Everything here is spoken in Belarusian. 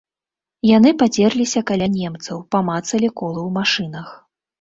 Яны пацерліся каля немцаў, памацалі колы ў машынах.